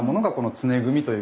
常組。